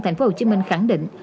tp hcm khẳng định